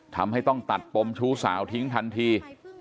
ทำให้ต้องตัดปมชู้สาวทิ้งทันที